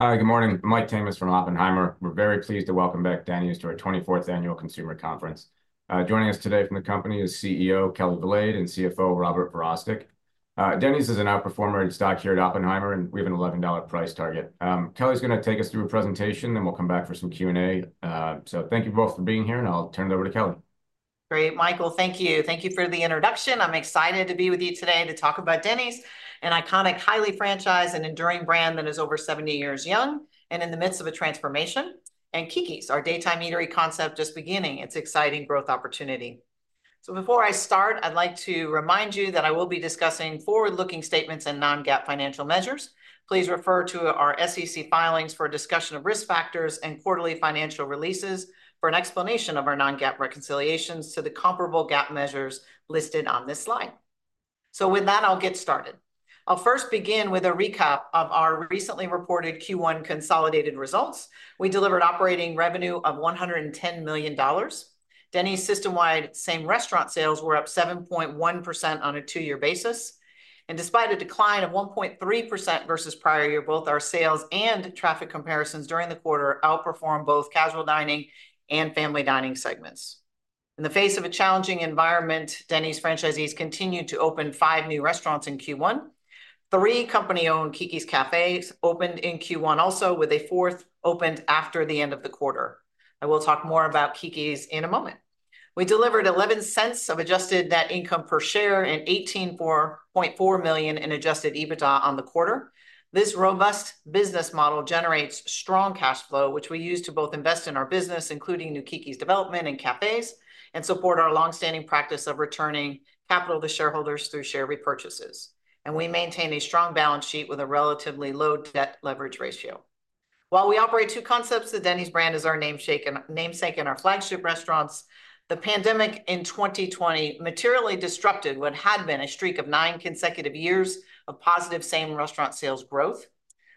Hi, good morning. Mike Tamas from Oppenheimer. We're very pleased to welcome back Denny's to our 24th Annual Consumer Conference. Joining us today from the company is CEO Kelli Valade and CFO Robert Verostek. Denny's is an outperformer in stock here at Oppenheimer, and we have an $11 price target. Kelli's going to take us through a presentation, then we'll come back for some Q&A. So thank you both for being here, and I'll turn it over to Kelli. Great, Michael, thank you. Thank you for the introduction. I'm excited to be with you today to talk about Denny's, an iconic highly franchised and enduring brand that is over 70 years young and in the midst of a transformation, and Keke's, our daytime eatery concept just beginning its exciting growth opportunity. So before I start, I'd like to remind you that I will be discussing forward-looking statements and non-GAAP financial measures. Please refer to our SEC filings for a discussion of risk factors and quarterly financial releases for an explanation of our non-GAAP reconciliations to the comparable GAAP measures listed on this slide. So with that, I'll get started. I'll first begin with a recap of our recently reported Q1 consolidated results. We delivered operating revenue of $110 million. Denny's system-wide same restaurant sales were up 7.1% on a two-year basis. Despite a decline of 1.3% versus prior year, both our sales and traffic comparisons during the quarter outperformed both casual dining and family dining segments. In the face of a challenging environment, Denny's franchisees continued to open five new restaurants in Q1. Three company-owned Keke's Cafes opened in Q1 also, with a fourth opened after the end of the quarter. I will talk more about Keke's in a moment. We delivered $0.11 of adjusted net income per share and $18.4 million in adjusted EBITDA on the quarter. This robust business model generates strong cash flow, which we use to both invest in our business, including new Keke's development and cafes, and support our longstanding practice of returning capital to shareholders through share repurchases. We maintain a strong balance sheet with a relatively low debt leverage ratio. While we operate two concepts, the Denny's brand is our namesake and our flagship restaurants. The pandemic in 2020 materially disrupted what had been a streak of nine consecutive years of positive same restaurant sales growth.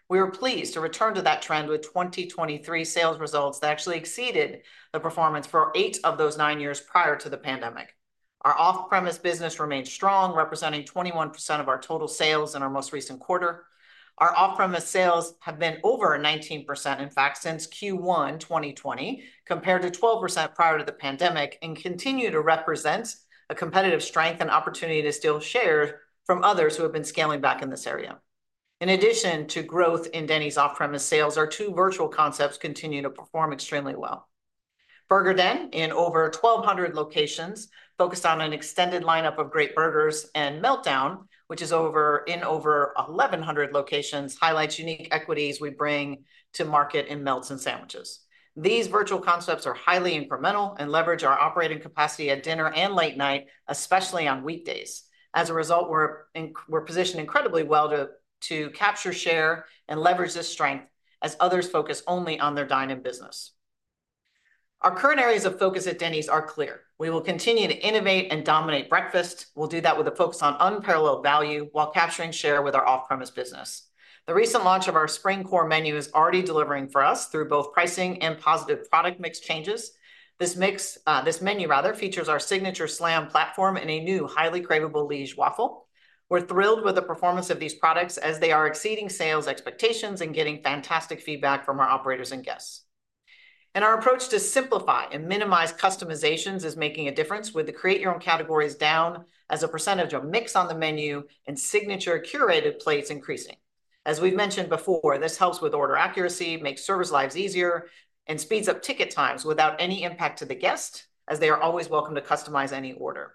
We were pleased to return to that trend with 2023 sales results that actually exceeded the performance for eight of those nine years prior to the pandemic. Our off-premise business remained strong, representing 21% of our total sales in our most recent quarter. Our off-premise sales have been over 19%, in fact, since Q1 2020, compared to 12% prior to the pandemic, and continue to represent a competitive strength and opportunity to steal shares from others who have been scaling back in this area. In addition to growth in Denny's off-premise sales, our two virtual concepts continue to perform extremely well. Burger Den, in over 1,200 locations, focused on an extended lineup of great burgers and Meltdown, which is in over 1,100 locations, highlights unique equities we bring to market in melts and sandwiches. These virtual concepts are highly incremental and leverage our operating capacity at dinner and late night, especially on weekdays. As a result, we're positioned incredibly well to capture share and leverage this strength as others focus only on their dine-in business. Our current areas of focus at Denny's are clear. We will continue to innovate and dominate breakfast. We'll do that with a focus on unparalleled value while capturing share with our off-premise business. The recent launch of our spring core menu is already delivering for us through both pricing and positive product mix changes. This menu, rather, features our Signature Slam platform and a new highly craveable Liège waffle. We're thrilled with the performance of these products as they are exceeding sales expectations and getting fantastic feedback from our operators and guests. Our approach to simplify and minimize customizations is making a difference with the create-your-own categories down as a percentage of mix on the menu and signature curated plates increasing. As we've mentioned before, this helps with order accuracy, makes service lives easier, and speeds up ticket times without any impact to the guest, as they are always welcome to customize any order.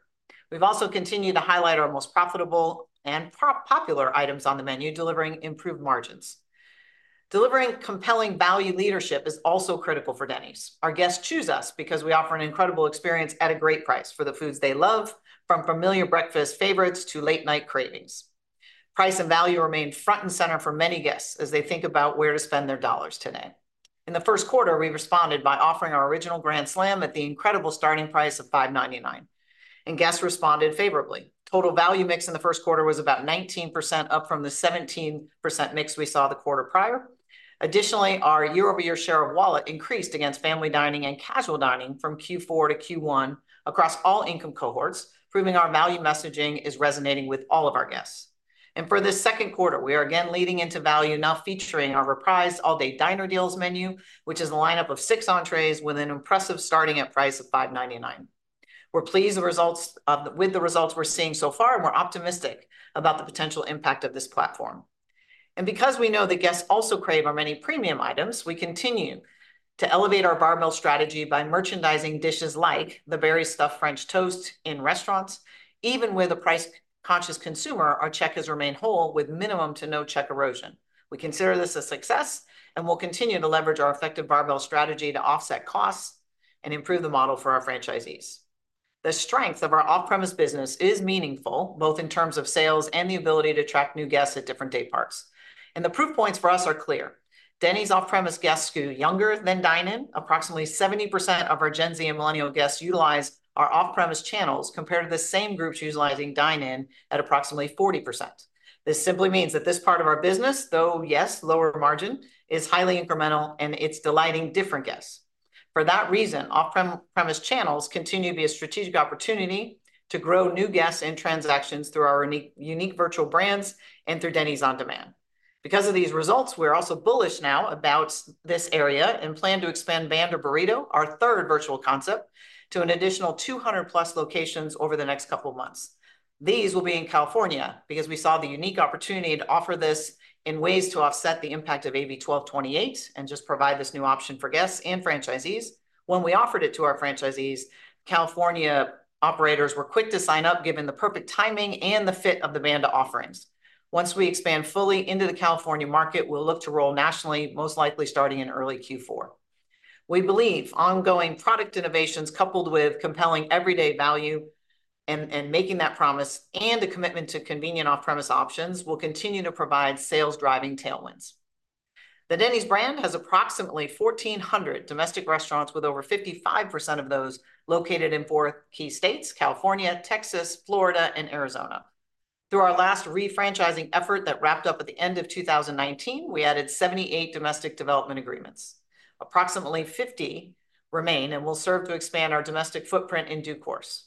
We've also continued to highlight our most profitable and popular items on the menu, delivering improved margins. Delivering compelling value leadership is also critical for Denny's. Our guests choose us because we offer an incredible experience at a great price for the foods they love, from familiar breakfast favorites to late-night cravings. Price and value remain front and center for many guests as they think about where to spend their dollars today. In the first quarter, we responded by offering our original Grand Slam at the incredible starting price of $5.99, and guests responded favorably. Total value mix in the first quarter was about 19% up from the 17% mix we saw the quarter prior. Additionally, our year-over-year share of wallet increased against family dining and casual dining from Q4 to Q1 across all income cohorts, proving our value messaging is resonating with all of our guests. For this second quarter, we are again leading into value, now featuring our reprised All-Day Diner Deals menu, which is a lineup of six entrees with an impressive starting price of $5.99. We're pleased with the results we're seeing so far, and we're optimistic about the potential impact of this platform. And because we know that guests also crave our many premium items, we continue to elevate our barbell strategy by merchandising dishes like the Very Stuffed French Toast in restaurants. Even with a price-conscious consumer, our check has remained whole with minimum to no check erosion. We consider this a success, and we'll continue to leverage our effective barbell strategy to offset costs and improve the model for our franchisees. The strength of our off-premise business is meaningful both in terms of sales and the ability to attract new guests at different dayparts. The proof points for us are clear. Denny's off-premise guests skew younger than dine-in. Approximately 70% of our Gen Z and millennial guests utilize our off-premise channels compared to the same groups utilizing dine-in at approximately 40%. This simply means that this part of our business, though, yes, lower margin, is highly incremental, and it's delighting different guests. For that reason, off-premise channels continue to be a strategic opportunity to grow new guests and transactions through our unique virtual brands and through Denny's on Demand. Because of these results, we're also bullish now about this area and plan to expand Banda Burrito, our third virtual concept, to an additional 200+ locations over the next couple of months. These will be in California because we saw the unique opportunity to offer this in ways to offset the impact of AB 1228 and just provide this new option for guests and franchisees. When we offered it to our franchisees, California operators were quick to sign up given the perfect timing and the fit of the Banda offerings. Once we expand fully into the California market, we'll look to roll nationally, most likely starting in early Q4. We believe ongoing product innovations coupled with compelling everyday value and making that promise and a commitment to convenient off-premise options will continue to provide sales-driving tailwinds. The Denny's brand has approximately 1,400 domestic restaurants, with over 55% of those located in four key states: California, Texas, Florida, and Arizona. Through our last refranchising effort that wrapped up at the end of 2019, we added 78 domestic development agreements. Approximately 50 remain, and we'll serve to expand our domestic footprint in due course.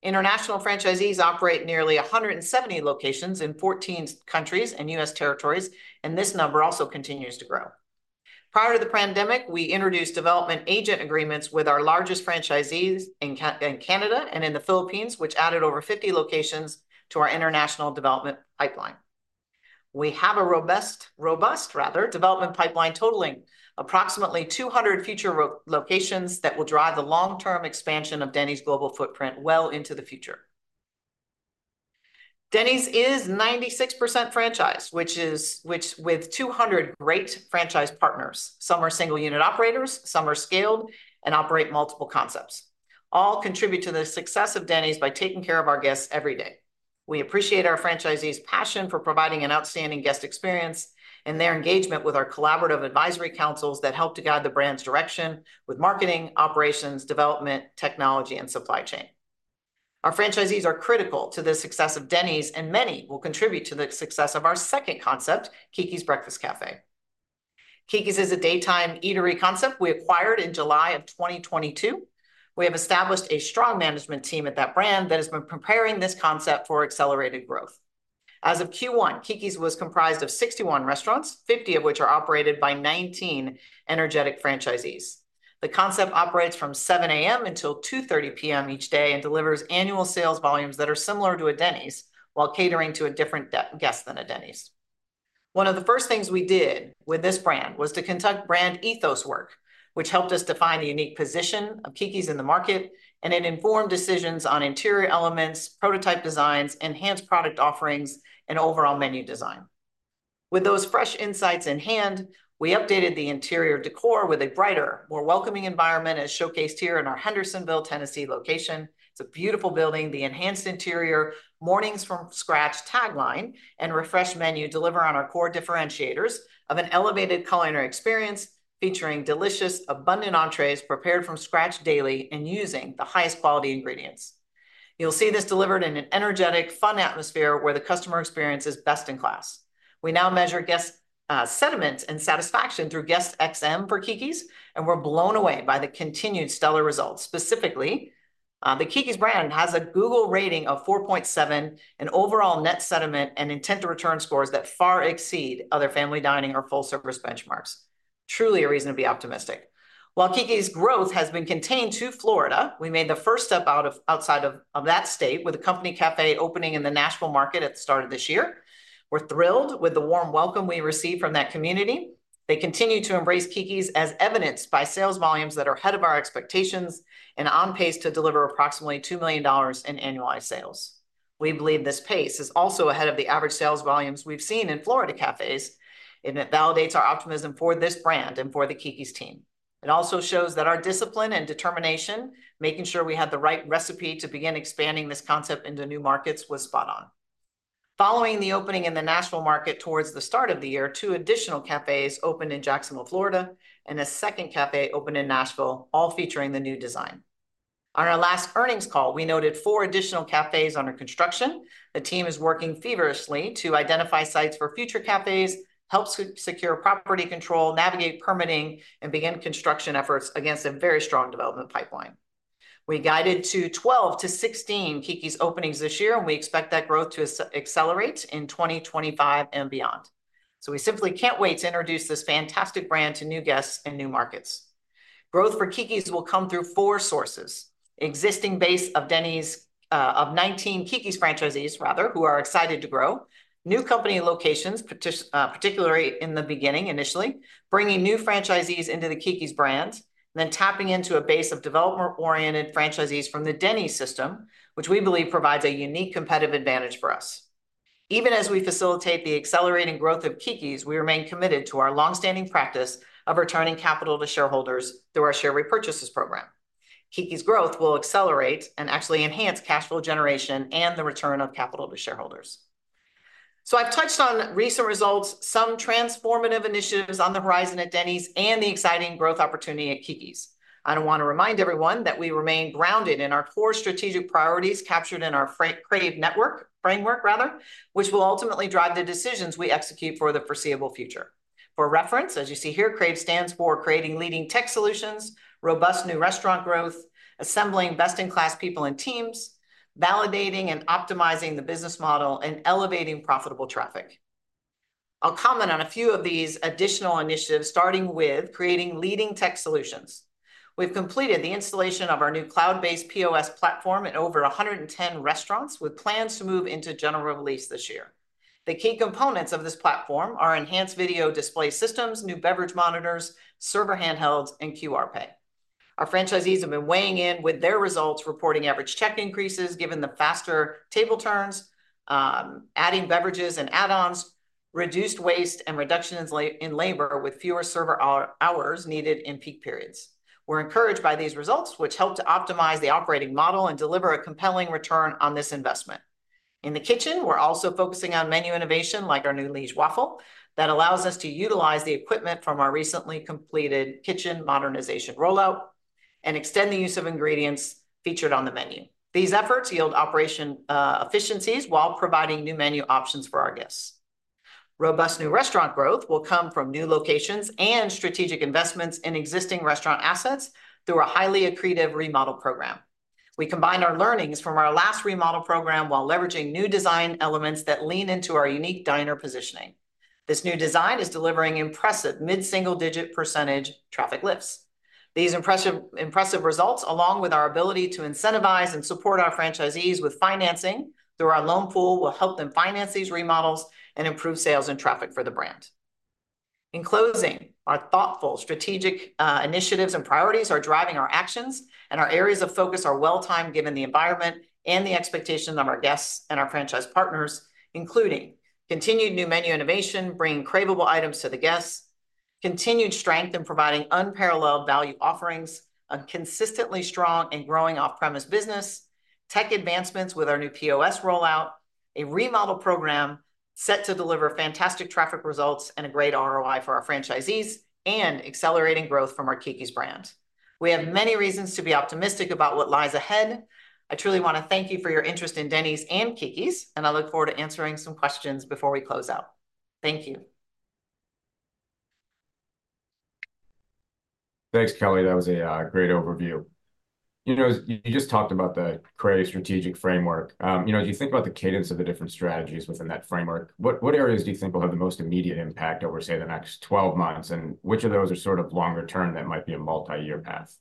International franchisees operate nearly 170 locations in 14 countries and U.S. territories, and this number also continues to grow. Prior to the pandemic, we introduced development agent agreements with our largest franchisees in Canada and in the Philippines, which added over 50 locations to our international development pipeline. We have a robust development pipeline totaling approximately 200 future locations that will drive the long-term expansion of Denny's global footprint well into the future. Denny's is 96% franchised, which is with 200 great franchise partners. Some are single-unit operators, some are scaled, and operate multiple concepts. All contribute to the success of Denny's by taking care of our guests every day. We appreciate our franchisees' passion for providing an outstanding guest experience and their engagement with our collaborative advisory councils that help to guide the brand's direction with marketing, operations, development, technology, and supply chain. Our franchisees are critical to the success of Denny's, and many will contribute to the success of our second concept, Keke's Breakfast Cafe. Keke's is a daytime eatery concept we acquired in July of 2022. We have established a strong management team at that brand that has been preparing this concept for accelerated growth. As of Q1, Keke's was comprised of 61 restaurants, 50 of which are operated by 19 energetic franchisees. The concept operates from 7:00 A.M. until 2:30 P.M. each day and delivers annual sales volumes that are similar to a Denny's while catering to a different guest than a Denny's. One of the first things we did with this brand was to conduct brand ethos work, which helped us define the unique position of Keke's in the market, and it informed decisions on interior elements, prototype designs, enhanced product offerings, and overall menu design. With those fresh insights in hand, we updated the interior decor with a brighter, more welcoming environment, as showcased here in our Hendersonville, Tennessee location. It's a beautiful building. The enhanced interior, Mornings from Scratch tagline, and refreshed menu deliver on our core differentiators of an elevated culinary experience featuring delicious, abundant entrees prepared from scratch daily and using the highest quality ingredients. You'll see this delivered in an energetic, fun atmosphere where the customer experience is best in class. We now measure guest sentiment and satisfaction through GuestXM for Keke's, and we're blown away by the continued stellar results. Specifically, the Keke's brand has a Google rating of 4.7 and overall net sentiment and intent to return scores that far exceed other family dining or full-service benchmarks. Truly a reason to be optimistic. While Keke's growth has been contained to Florida, we made the first step outside of that state with a company cafe opening in the Nashville market at the start of this year. We're thrilled with the warm welcome we received from that community. They continue to embrace Keke's as evidenced by sales volumes that are ahead of our expectations and on pace to deliver approximately $2 million in annualized sales. We believe this pace is also ahead of the average sales volumes we've seen in Florida cafes, and it validates our optimism for this brand and for the Keke's team. It also shows that our discipline and determination, making sure we had the right recipe to begin expanding this concept into new markets, was spot on. Following the opening in the Nashville market toward the start of the year, two additional cafes opened in Jacksonville, Florida, and a second cafe opened in Nashville, all featuring the new design. On our last earnings call, we noted four additional cafes under construction. The team is working feverishly to identify sites for future cafes, help secure property control, navigate permitting, and begin construction efforts against a very strong development pipeline. We guided to 12-16 Keke's openings this year, and we expect that growth to accelerate in 2025 and beyond. We simply can't wait to introduce this fantastic brand to new guests and new markets. Growth for Keke's will come through four sources: existing base of 19 Keke's franchisees, rather, who are excited to grow; new company locations, particularly in the beginning, initially bringing new franchisees into the Keke's brand; then tapping into a base of development-oriented franchisees from the Denny's system, which we believe provides a unique competitive advantage for us. Even as we facilitate the accelerating growth of Keke's, we remain committed to our longstanding practice of returning capital to shareholders through our share repurchases program. Keke's growth will accelerate and actually enhance cash flow generation and the return of capital to shareholders. So I've touched on recent results, some transformative initiatives on the horizon at Denny's, and the exciting growth opportunity at Keke's. I want to remind everyone that we remain grounded in our core strategic priorities captured in our CRAVE framework, rather, which will ultimately drive the decisions we execute for the foreseeable future. For reference, as you see here, CRAVE stands for Creating Leading Tech Solutions, Robust New Restaurant Growth, Assembling Best-in-Class People and Teams, Validating and Optimizing the Business Model, and Elevating Profitable Traffic. I'll comment on a few of these additional initiatives, starting with Creating Leading Tech Solutions. We've completed the installation of our new cloud-based POS platform at over 110 restaurants, with plans to move into general release this year. The key components of this platform are enhanced video display systems, new beverage monitors, server handhelds, and QR pay. Our franchisees have been weighing in with their results, reporting average check increases given the faster table turns, adding beverages and add-ons, reduced waste, and reductions in labor with fewer server hours needed in peak periods. We're encouraged by these results, which help to optimize the operating model and deliver a compelling return on this investment. In the kitchen, we're also focusing on menu innovation, like our new Liège waffle, that allows us to utilize the equipment from our recently completed kitchen modernization rollout and extend the use of ingredients featured on the menu. These efforts yield operational efficiencies while providing new menu options for our guests. Robust new restaurant growth will come from new locations and strategic investments in existing restaurant assets through a highly accretive remodel program. We combine our learnings from our last remodel program while leveraging new design elements that lean into our unique diner positioning. This new design is delivering impressive mid-single-digit% traffic lifts. These impressive results, along with our ability to incentivize and support our franchisees with financing through our loan pool, will help them finance these remodels and improve sales and traffic for the brand. In closing, our thoughtful strategic initiatives and priorities are driving our actions, and our areas of focus are well-timed given the environment and the expectations of our guests and our franchise partners, including continued new menu innovation, bringing craveable items to the guests, continued strength in providing unparalleled value offerings, a consistently strong and growing off-premise business, tech advancements with our new POS rollout, a remodel program set to deliver fantastic traffic results and a great ROI for our franchisees, and accelerating growth from our Keke's brand. We have many reasons to be optimistic about what lies ahead. I truly want to thank you for your interest in Denny's and Keke's, and I look forward to answering some questions before we close out. Thank you. Thanks, Kelli. That was a great overview. You just talked about the CRAVE strategic framework. As you think about the cadence of the different strategies within that framework, what areas do you think will have the most immediate impact over, say, the next 12 months, and which of those are sort of longer-term that might be a multi-year path?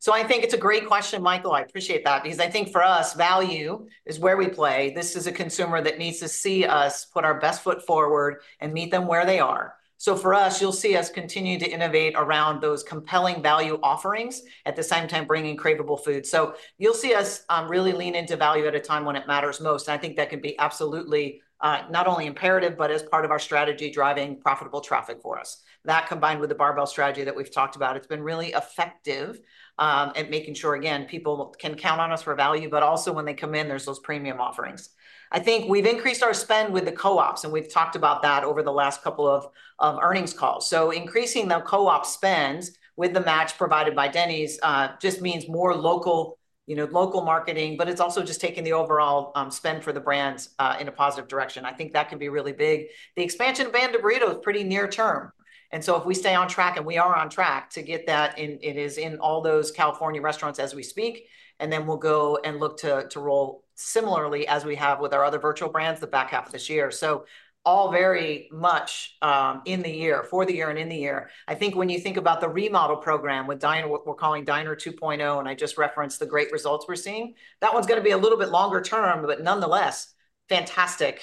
So I think it's a great question, Michael. I appreciate that because I think for us, value is where we play. This is a consumer that needs to see us put our best foot forward and meet them where they are. So for us, you'll see us continue to innovate around those compelling value offerings at the same time bringing craveable food. So you'll see us really lean into value at a time when it matters most. And I think that can be absolutely not only imperative, but as part of our strategy driving profitable traffic for us. That combined with the barbell strategy that we've talked about, it's been really effective at making sure, again, people can count on us for value, but also when they come in, there's those premium offerings. I think we've increased our spend with the co-ops, and we've talked about that over the last couple of earnings calls. So increasing the co-op spends with the match provided by Denny's just means more local marketing, but it's also just taking the overall spend for the brands in a positive direction. I think that can be really big. The expansion of Banda Burrito is pretty near term. And so if we stay on track, and we are on track to get that, it is in all those California restaurants as we speak, and then we'll go and look to roll similarly as we have with our other virtual brands the back half of this year. So all very much in the year for the year and in the year. I think when you think about the remodel program with Diner, what we're calling Diner 2.0, and I just referenced the great results we're seeing, that one's going to be a little bit longer term, but nonetheless, fantastic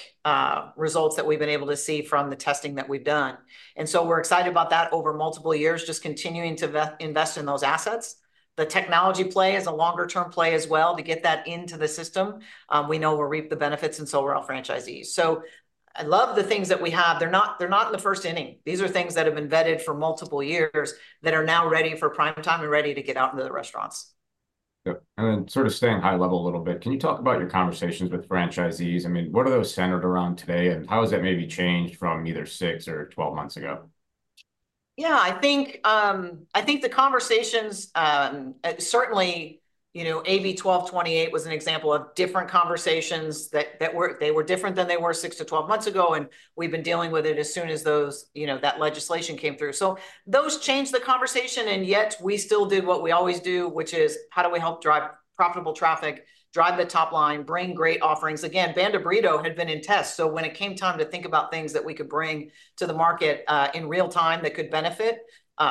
results that we've been able to see from the testing that we've done. And so we're excited about that over multiple years, just continuing to invest in those assets. The technology play is a longer-term play as well to get that into the system. We know we'll reap the benefits and so will our franchisees. So I love the things that we have. They're not in the first inning. These are things that have been vetted for multiple years that are now ready for prime time and ready to get out into the restaurants. Yep. And then sort of staying high level a little bit, can you talk about your conversations with franchisees? I mean, what are those centered around today, and how has that maybe changed from either 6 or 12 months ago? Yeah, I think the conversations certainly. AB 1228 was an example of different conversations. They were different than they were 6 to 12 months ago, and we've been dealing with it as soon as that legislation came through. So those changed the conversation, and yet we still did what we always do, which is how do we help drive profitable traffic, drive the top line, bring great offerings. Again, Banda Burrito had been in test. So when it came time to think about things that we could bring to the market in real time that could benefit,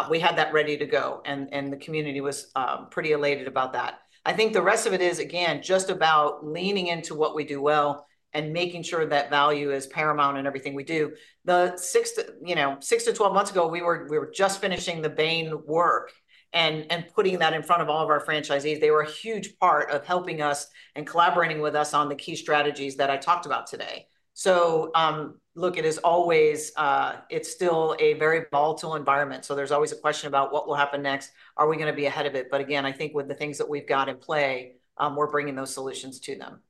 we had that ready to go, and the community was pretty elated about that. I think the rest of it is, again, just about leaning into what we do well and making sure that value is paramount in everything we do. 6-12 months ago, we were just finishing the Bain work and putting that in front of all of our franchisees. They were a huge part of helping us and collaborating with us on the key strategies that I talked about today. So look, it is always it's still a very volatile environment. So there's always a question about what will happen next. Are we going to be ahead of it? But again, I think with the things that we've got in play, we're bringing those solutions to them.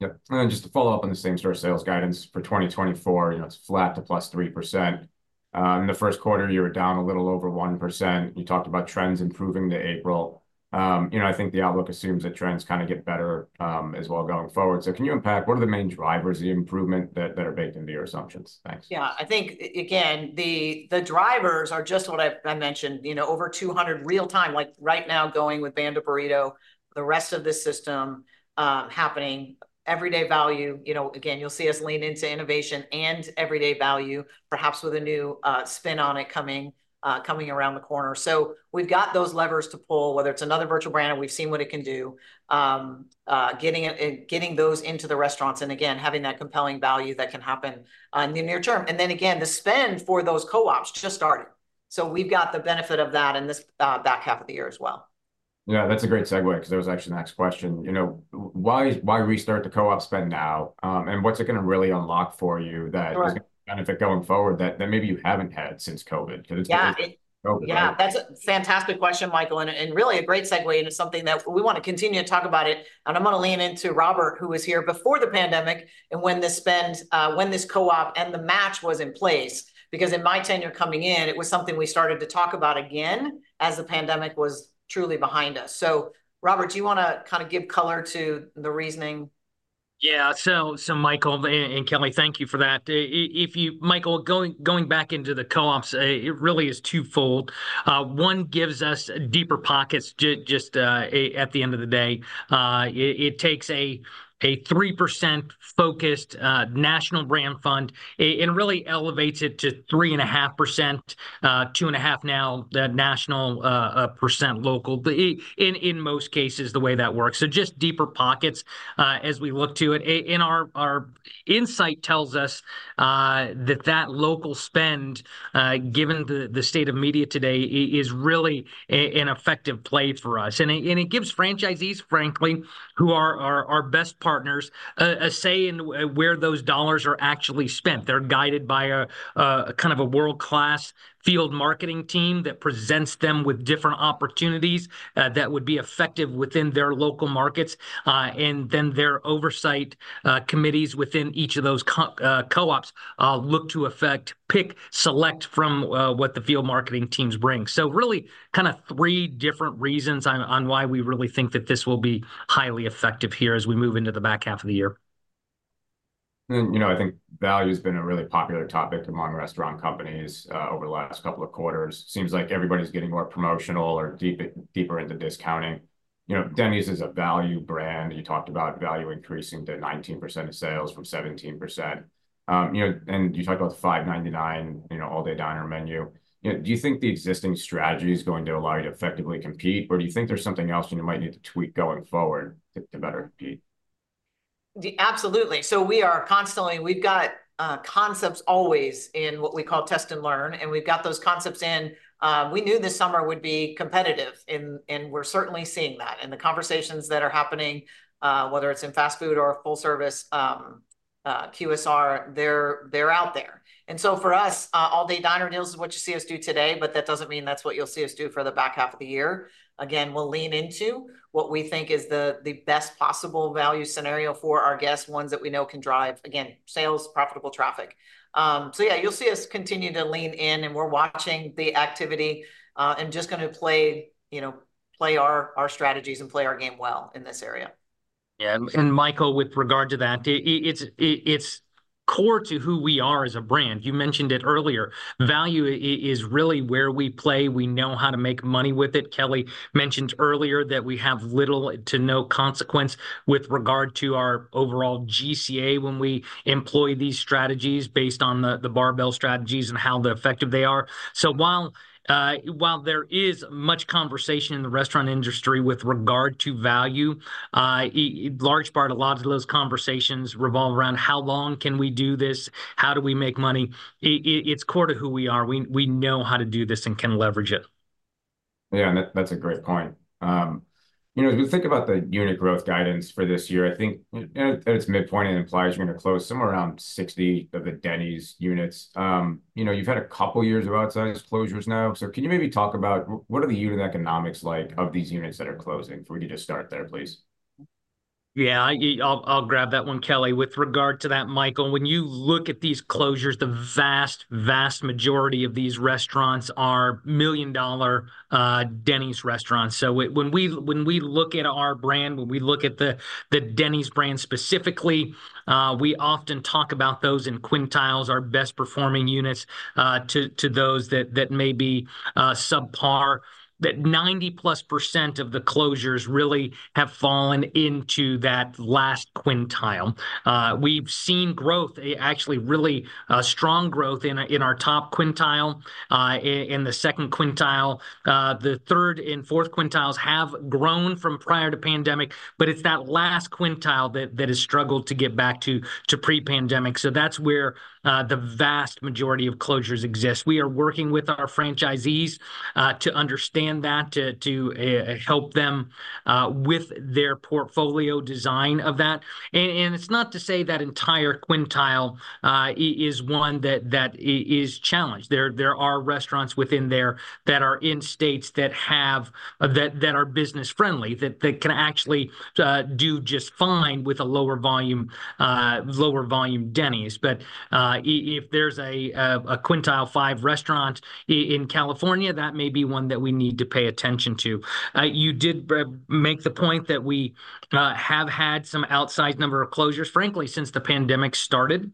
Yep. And then just to follow up on the same sort of sales guidance for 2024, it's flat to +3%. In the first quarter, you were down a little over 1%. You talked about trends improving to April. I think the outlook assumes that trends kind of get better as well going forward. So can you unpack what are the main drivers of the improvement that are baked into your assumptions? Thanks. Yeah. I think, again, the drivers are just what I mentioned, over 200 restaurants like right now going with Banda Burrito, the rest of the system happening, everyday value. Again, you'll see us lean into innovation and everyday value, perhaps with a new spin on it coming around the corner. So we've got those levers to pull, whether it's another virtual brand and we've seen what it can do, getting those into the restaurants and, again, having that compelling value that can happen in the near term. And then, again, the spend for those co-ops just started. So we've got the benefit of that in this back half of the year as well. Yeah, that's a great segue because that was actually the next question. Why restart the co-op spend now? And what's it going to really unlock for you that is going to benefit going forward that maybe you haven't had since COVID? Because it's been COVID. Yeah, that's a fantastic question, Michael, and really a great segue into something that we want to continue to talk about. And I'm going to lean into Robert, who was here before the pandemic and when this spend, when this co-op and the match was in place, because in my tenure coming in, it was something we started to talk about again as the pandemic was truly behind us. So, Robert, do you want to kind of give color to the reasoning? Yeah. So, Michael and Kelli, thank you for that. Michael, going back into the co-ops, it really is twofold. One gives us deeper pockets just at the end of the day. It takes a 3% focused national brand fund and really elevates it to 3.5%, 2.5% now, national percent local, in most cases, the way that works. So just deeper pockets as we look to it. And our insight tells us that that local spend, given the state of media today, is really an effective play for us. And it gives franchisees, frankly, who are our best partners, a say in where those dollars are actually spent. They're guided by a kind of a world-class field marketing team that presents them with different opportunities that would be effective within their local markets. And then their oversight committees within each of those co-ops look to effect, pick, select from what the field marketing teams bring. So really kind of three different reasons on why we really think that this will be highly effective here as we move into the back half of the year. And I think value has been a really popular topic among restaurant companies over the last couple of quarters. Seems like everybody's getting more promotional or deeper into discounting. Denny's is a value brand. You talked about value increasing to 19% of sales from 17%. And you talked about the $5.99 all-day diner menu. Do you think the existing strategy is going to allow you to effectively compete, or do you think there's something else you might need to tweak going forward to better compete? Absolutely. So we are constantly we've got concepts always in what we call test and learn, and we've got those concepts in. We knew this summer would be competitive, and we're certainly seeing that. And the conversations that are happening, whether it's in fast food or full-service QSR, they're out there. And so for us, All-Day Diner Deals is what you see us do today, but that doesn't mean that's what you'll see us do for the back half of the year. Again, we'll lean into what we think is the best possible value scenario for our guests, ones that we know can drive, again, sales, profitable traffic. So yeah, you'll see us continue to lean in, and we're watching the activity and just going to play our strategies and play our game well in this area. Yeah. And Michael, with regard to that, it's core to who we are as a brand. You mentioned it earlier. Value is really where we play. We know how to make money with it. Kelli mentioned earlier that we have little to no consequence with regard to our overall GCA when we employ these strategies based on the barbell strategies and how effective they are. So while there is much conversation in the restaurant industry with regard to value, a large part, a lot of those conversations revolve around how long can we do this, how do we make money. It's core to who we are. We know how to do this and can leverage it. Yeah, and that's a great point. If you think about the unit growth guidance for this year, I think at its midpoint, it implies you're going to close somewhere around 60 of the Denny's units. You've had a couple of years of outsized closures now. So can you maybe talk about what are the unit economics like of these units that are closing? If we could just start there, please. Yeah, I'll grab that one, Kelli. With regard to that, Michael, when you look at these closures, the vast, vast majority of these restaurants are million-dollar Denny's restaurants. So when we look at our brand, when we look at the Denny's brand specifically, we often talk about those in quintiles, our best-performing units, to those that may be subpar. That 90%+ of the closures really have fallen into that last quintile. We've seen growth, actually really strong growth in our top quintile, in the second quintile. The third and fourth quintiles have grown from prior to pandemic, but it's that last quintile that has struggled to get back to pre-pandemic. So that's where the vast majority of closures exist. We are working with our franchisees to understand that, to help them with their portfolio design of that. And it's not to say that entire quintile is one that is challenged. There are restaurants within there that are in states that are business-friendly, that can actually do just fine with a lower-volume Denny's. But if there's a quintile five restaurant in California, that may be one that we need to pay attention to. You did make the point that we have had some outsized number of closures, frankly, since the pandemic started.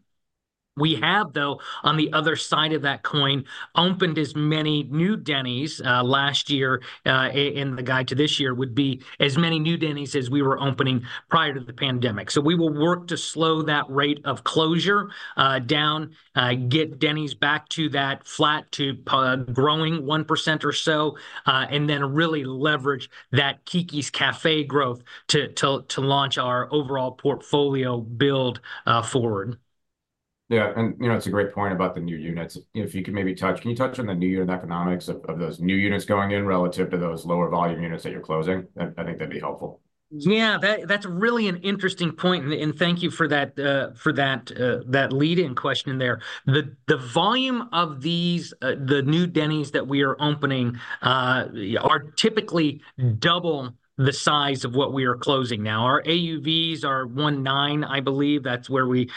We have, though, on the other side of that coin, opened as many new Denny's last year in the guide to this year would be as many new Denny's as we were opening prior to the pandemic. So we will work to slow that rate of closure down, get Denny's back to that flat to growing 1% or so, and then really leverage that Keke's Cafe growth to launch our overall portfolio build forward. Yeah. And it's a great point about the new units. If you could maybe touch, can you touch on the new unit economics of those new units going in relative to those lower-volume units that you're closing? I think that'd be helpful. Yeah, that's really an interesting point. And thank you for that lead-in question there. The volume of the new Denny's that we are opening are typically double the size of what we are closing now. Our AUVs are $1.9 million, I believe. That's where we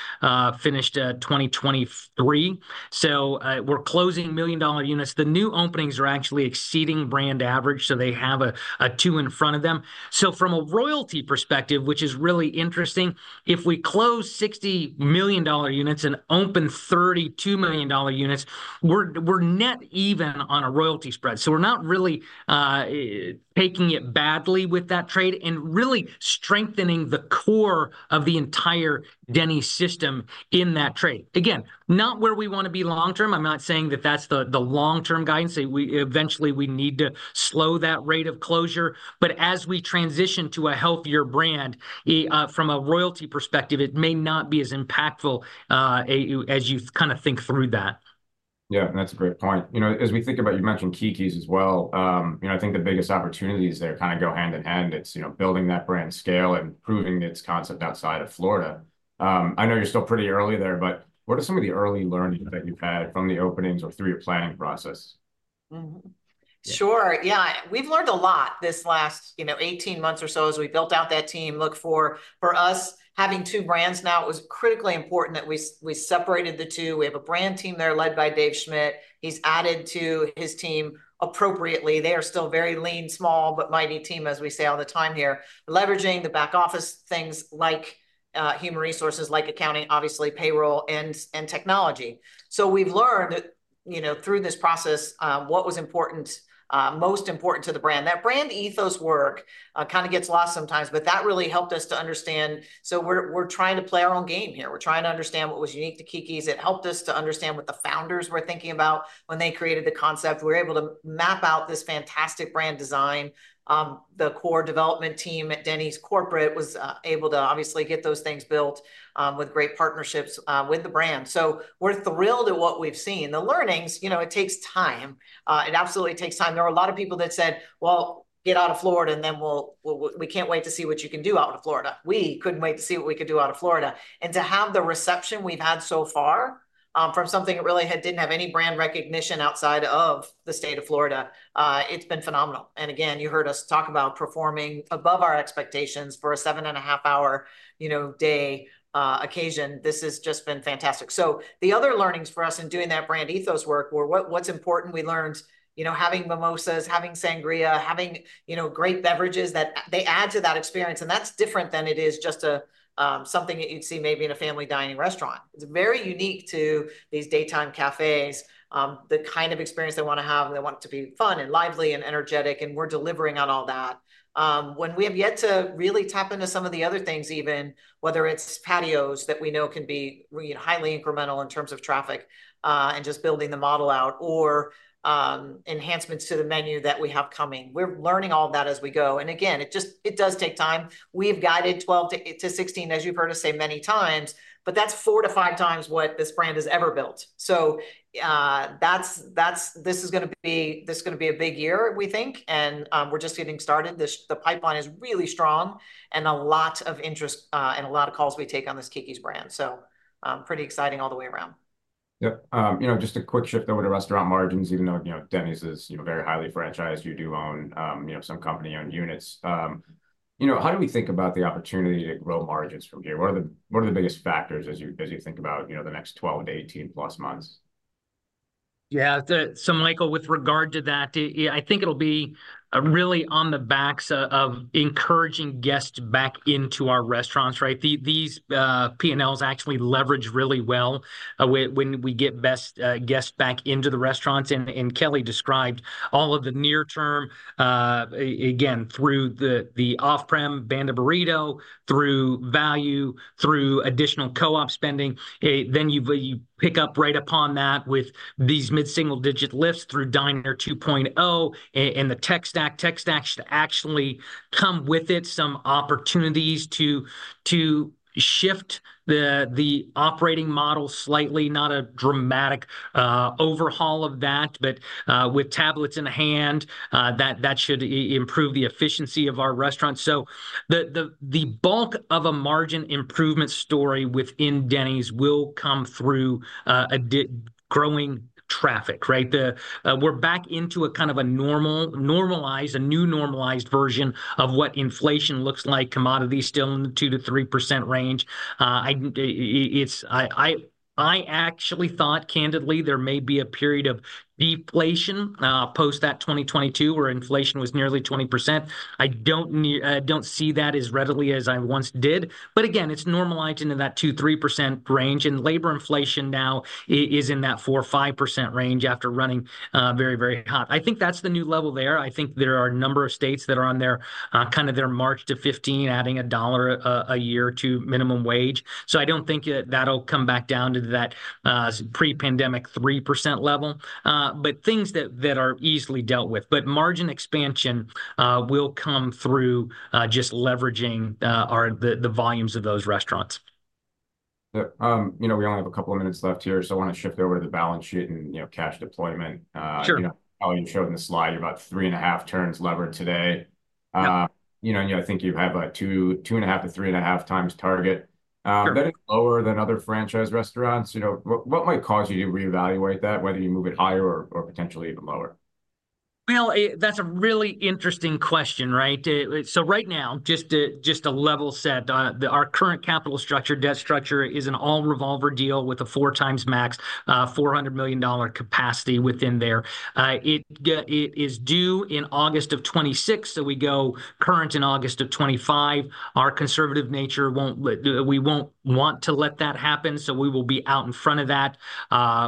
finished 2023. So we're closing $1 million units. The new openings are actually exceeding brand average, so they have a two in front of them. So from a royalty perspective, which is really interesting, if we close $60 million units and open $32 million units, we're net even on a royalty spread. So we're not really taking it badly with that trade and really strengthening the core of the entire Denny's system in that trade. Again, not where we want to be long-term. I'm not saying that that's the long-term guidance. Eventually, we need to slow that rate of closure. But as we transition to a healthier brand from a royalty perspective, it may not be as impactful as you kind of think through that. Yeah, and that's a great point. As we think about, you mentioned Keke's as well. I think the biggest opportunities there kind of go hand in hand. It's building that brand scale and proving its concept outside of Florida. I know you're still pretty early there, but what are some of the early learnings that you've had from the openings or through your planning process? Sure. Yeah. We've learned a lot this last 18 months or so as we built out that team. Look for us having two brands now. It was critically important that we separated the two. We have a brand team there led by Dave Schmidt. He's added to his team appropriately. They are still a very lean, small, but mighty team, as we say all the time here, leveraging the back office things like human resources, like accounting, obviously, payroll, and technology. We've learned through this process what was most important to the brand. That brand ethos work kind of gets lost sometimes, but that really helped us to understand. We're trying to play our own game here. We're trying to understand what was unique to Keke's. It helped us to understand what the founders were thinking about when they created the concept. We were able to map out this fantastic brand design. The core development team at Denny's Corporation was able to obviously get those things built with great partnerships with the brand. We're thrilled at what we've seen. The learnings, it takes time. It absolutely takes time. There were a lot of people that said, "Well, get out of Florida, and then we can't wait to see what you can do out of Florida." We couldn't wait to see what we could do out of Florida. And to have the reception we've had so far from something that really didn't have any brand recognition outside of the state of Florida, it's been phenomenal. And again, you heard us talk about performing above our expectations for a 7.5-hour day occasion. This has just been fantastic. So the other learnings for us in doing that brand ethos work were what's important. We learned having mimosas, having sangria, having great beverages that they add to that experience. And that's different than it is just something that you'd see maybe in a family dining restaurant. It's very unique to these daytime cafes, the kind of experience they want to have, and they want it to be fun and lively and energetic. And we're delivering on all that. When we have yet to really tap into some of the other things, even whether it's patios that we know can be highly incremental in terms of traffic and just building the model out or enhancements to the menu that we have coming. We're learning all that as we go. And again, it does take time. We've guided 12-16, as you've heard us say many times, but that's 4-5 times what this brand has ever built. So this is going to be this is going to be a big year, we think. And we're just getting started. The pipeline is really strong and a lot of interest and a lot of calls we take on this Keke's brand. So pretty exciting all the way around. Yep. Just a quick shift over to restaurant margins, even though Denny's is very highly franchised, you do own some company-owned units. How do we think about the opportunity to grow margins from here? What are the biggest factors as you think about the next 12-18+ months? Yeah. So, Michael, with regard to that, I think it'll be really on the backs of encouraging guests back into our restaurants, right? These P&Ls actually leverage really well when we get best guests back into the restaurants. And Kelli described all of the near-term, again, through the off-prem, Banda Burrito, through value, through additional co-op spending. Then you pick up right upon that with these mid-single-digit lifts through Diner 2.0 and the tech stack. Tech stack should actually come with it, some opportunities to shift the operating model slightly, not a dramatic overhaul of that, but with tablets in hand, that should improve the efficiency of our restaurants. So the bulk of a margin improvement story within Denny's will come through growing traffic, right? We're back into a kind of a normalized, a new normalized version of what inflation looks like, commodities still in the 2%-3% range. I actually thought, candidly, there may be a period of deflation post that 2022 where inflation was nearly 20%. I don't see that as readily as I once did. But again, it's normalized into that 2%-3% range. And labor inflation now is in that 4%-5% range after running very, very hot. I think that's the new level there. I think there are a number of states that are on their kind of their [mark] to 15, adding a dollar a year to minimum wage. So I don't think that'll come back down to that pre-pandemic 3% level, but things that are easily dealt with. But margin expansion will come through just leveraging the volumes of those restaurants. We only have a couple of minutes left here, so I want to shift over to the balance sheet and cash deployment. Sure. How you showed in the slide, you're about 3.5 turns levered today. And I think you have a 2.5-3.5x target. That is lower than other franchise restaurants. What might cause you to reevaluate that, whether you move it higher or potentially even lower? Well, that's a really interesting question, right? So right now, just to level set, our current capital structure, debt structure is an all revolver deal with a 4x max, $400 million capacity within there. It is due in August of 2026, so we go current in August of 2025. Our conservative nature, we won't want to let that happen, so we will be out in front of that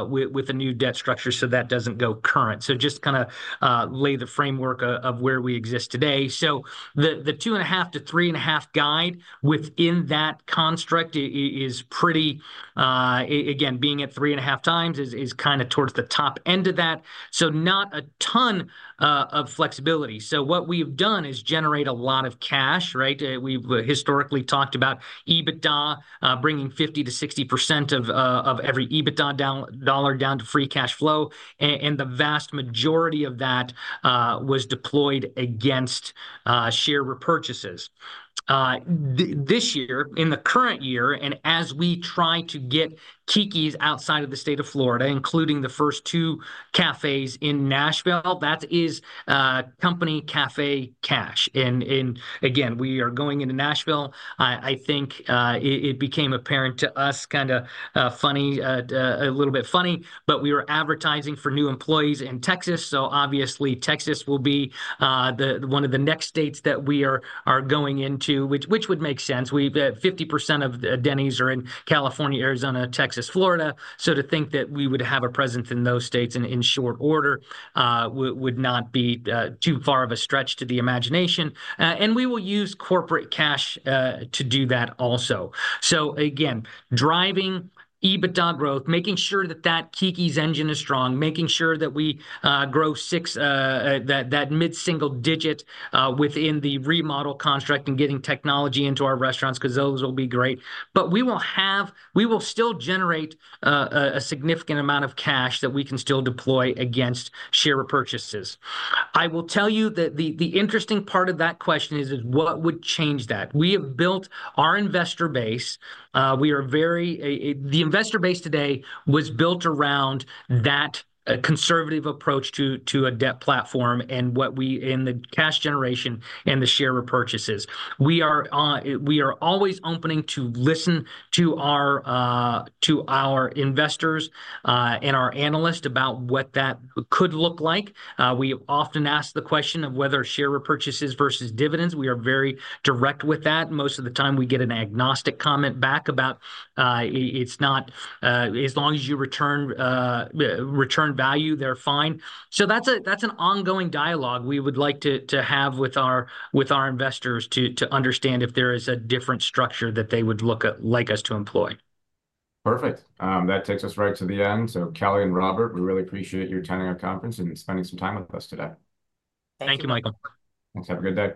with a new debt structure so that doesn't go current. So just kind of lay the framework of where we exist today. So the 2.5-3.5 guide within that construct is pretty, again, being at 3.5x is kind of towards the top end of that. So not a ton of flexibility. So what we've done is generate a lot of cash, right? We've historically talked about EBITDA bringing 50%-60% of every EBITDA dollar down to free cash flow. The vast majority of that was deployed against share repurchases. This year, in the current year, and as we try to get Keke's outside of the state of Florida, including the first two cafes in Nashville, that is company cafe cash. Again, we are going into Nashville. I think it became apparent to us, kind of funny, a little bit funny, but we were advertising for new employees in Texas. Obviously, Texas will be one of the next states that we are going into, which would make sense. 50% of Denny's are in California, Arizona, Texas, Florida. To think that we would have a presence in those states in short order would not be too far of a stretch to the imagination. We will use corporate cash to do that also. So again, driving EBITDA growth, making sure that that Keke's engine is strong, making sure that we grow that mid-single digit within the remodel construct and getting technology into our restaurants because those will be great. But we will still generate a significant amount of cash that we can still deploy against share repurchases. I will tell you that the interesting part of that question is, what would change that? We have built our investor base. The investor base today was built around that conservative approach to a debt platform and the cash generation and the share repurchases. We are always open to listen to our investors and our analysts about what that could look like. We often ask the question of whether share repurchases versus dividends. We are very direct with that. Most of the time, we get an agnostic comment back about it's not as long as you return value, they're fine. So that's an ongoing dialogue we would like to have with our investors to understand if there is a different structure that they would like us to employ. Perfect. That takes us right to the end. So Kelli and Robert, we really appreciate your attending our conference and spending some time with us today. Thank you, Michael. Thanks. Have a good day.